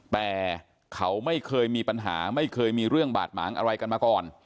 แต่เขาไม่เคยมีปัญหาไม่เคยมีเรื่องบาดหมางอะไรกันมาก่อน